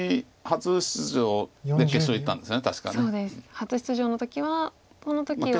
初出場の時はその時は。